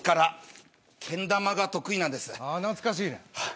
懐かしいね。